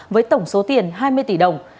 với tổng số tiền hai mươi tỷ đồng